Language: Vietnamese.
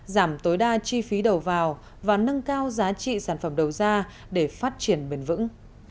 giảm tối đa chi phí đầu vào và nâng cao giá trị sản phẩm đầu ra để phát triển bền vững